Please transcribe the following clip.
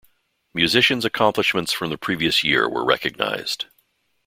Musicians accomplishments from the previous year were recognized.